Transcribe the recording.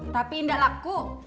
tapi enggak laku